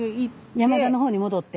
山田の方に戻って？